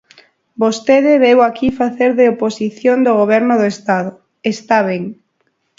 Vostede veu aquí facer de oposición do Goberno do Estado, está ben.